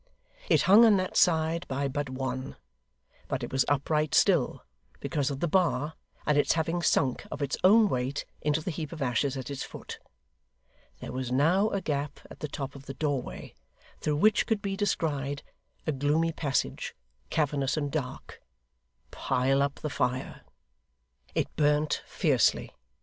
It hung on that side by but one, but it was upright still, because of the bar, and its having sunk, of its own weight, into the heap of ashes at its foot. There was now a gap at the top of the doorway, through which could be descried a gloomy passage, cavernous and dark. Pile up the fire! It burnt fiercely.